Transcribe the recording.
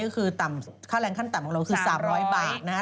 ค่าแรงขั้นต่ำของเราก็คือ๓๐๐บาท